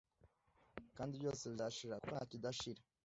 kandi byose bizashira kuko ntakidashira